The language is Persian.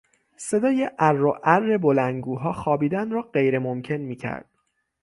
صدای عر و عر بلندگوها خوابیدن را غیر ممکن میکرد.